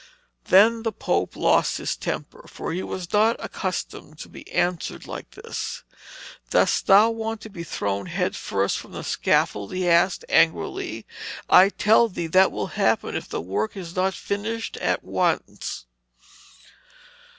Then the Pope lost his temper, for he was not accustomed to be answered like this. 'Dost thou want to be thrown head first from the scaffold?' he asked angrily. 'I tell thee that will happen if the work is not finished at once.'